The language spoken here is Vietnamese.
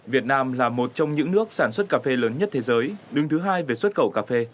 việt nam là một trong những nước sản xuất cà phê lớn nhất thế giới đứng thứ hai về xuất khẩu cà phê